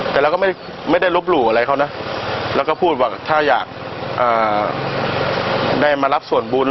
แต่เราก็ไม่ได้ลบหลู่อะไรเขานะแล้วก็พูดว่าถ้าอยากได้มารับส่วนบุญ